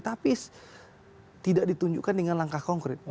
tapi tidak ditunjukkan dengan langkah konkret